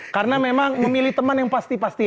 karena memang memilih teman yang pasti pasti aja